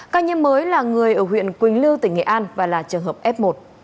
ca nhiễm mới là người ở huyện quỳnh lưu tỉnh nghệ an và là trường hợp f một